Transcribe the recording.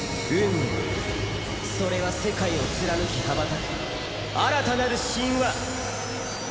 それは世界を貫きはばたく新たなる神話。